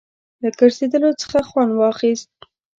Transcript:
له ګرځېدلو څخه خوند واخیست.